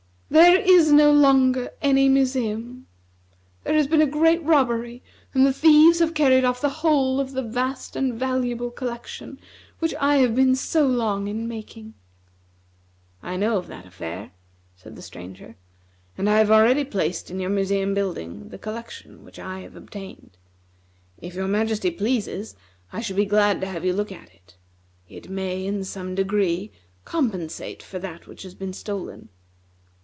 There is no longer any museum. There has been a great robbery, and the thieves have carried off the whole of the vast and valuable collection which I have been so long in making." "I know of that affair," said the Stranger, "and I have already placed in your museum building the collection which I have obtained. If your Majesty pleases, I shall be glad to have you look at it. It may, in some degree, compensate for that which has been stolen."